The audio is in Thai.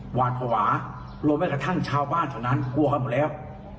หวาดภาวะรวมแม้กระทั่งชาวบ้านเท่านั้นกลัวกันหมดแล้ว